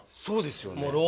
そうですよね。